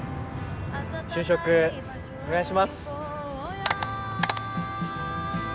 就職お願いします。